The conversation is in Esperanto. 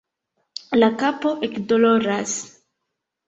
La kapo ekdoloras